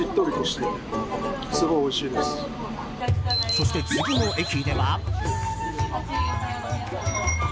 そして次の駅では。